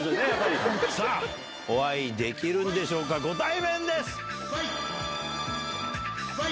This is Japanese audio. お会いできるんでしょうかご対面です！